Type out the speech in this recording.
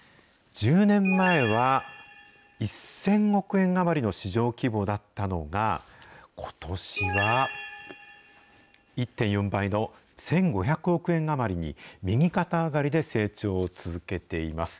１０年前は１０００億円余りの市場規模だったのが、ことしは１．４倍の１５００億円余りに右肩上がりで成長を続けています。